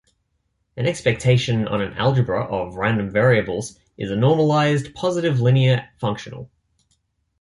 An expectation on an algebra of random variables is a normalized, positive linear functional.